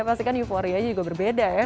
pasti kan euforia juga berbeda ya